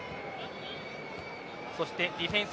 そしてディフェンス。